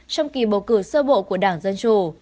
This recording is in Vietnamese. trong kỳ bầu cử sơ bộ của đảng dân chủ